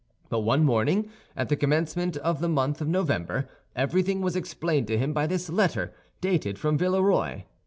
But one morning at the commencement of the month of November everything was explained to him by this letter, dated from Villeroy: M.